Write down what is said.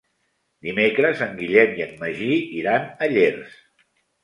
Dimecres en Guillem i en Magí iran a Llers.